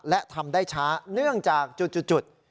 และทำได้ช้าเนื่องจากจุด